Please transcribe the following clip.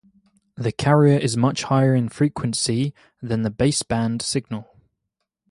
The carrier is much higher in frequency than the baseband signal.